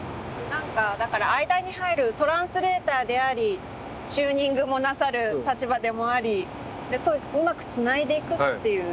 なんかだから間に入るトランスレーターでありチューニングもなさる立場でもありうまくつないでいくっていう。